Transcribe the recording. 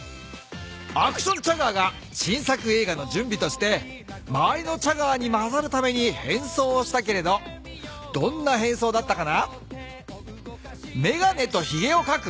アクションチャガーが新作えいがのじゅんびとしてまわりのチャガーに交ざるためにへんそうをしたけれどどんなへんそうだったかな？